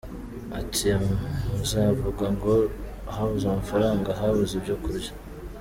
Ati “Ubu muzavuga ngo habuze amafaranga, habuze ibyo kurya?